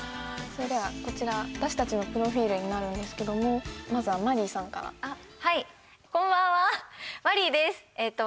それではこちら私達のプロフィールになるんですけどもまずはマリーさんからあっはいこんばんはマリーですえっと